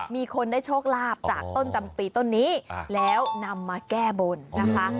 มีคนได้โชคลาภจากต้นจำปีต้นนี้แล้วนำมาแก้บนนะคะ